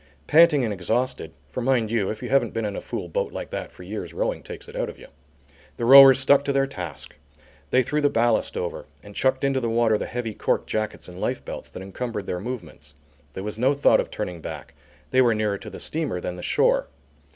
Panting and exhausted (for mind you, if you haven't been in a fool boat like that for years, rowing takes it out of you), the rowers stuck to their task. They threw the ballast over and chucked into the water the heavy cork jackets and lifebelts that encumbered their movements. There was no thought of turning back. They were nearer to the steamer than the shore.